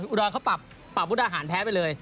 อุดรเขาปรับมุกดาหารแพ้ไปเลย